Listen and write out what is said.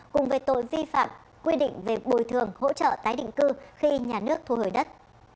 cùng về tội vi phạm quy định về bồi thường hỗ trợ tái định cư khi nhà nước thu hồi đất